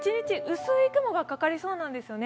薄い雲がかかりそうなんですよね。